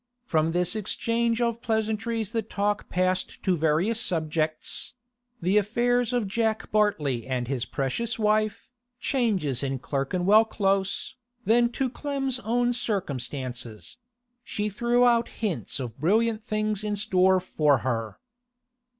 From this exchange of pleasantries the talk passed to various subjects—the affairs of Jack Bartley and his precious wife, changes in Clerkenwell Close, then to Clem's own circumstances; she threw out hints of brilliant things in store for her.